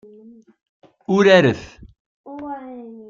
Uraret!